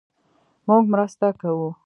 مونږ مرسته کوو